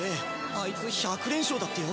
アイツ１００連勝だってよ！